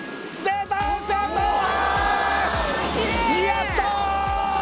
やった！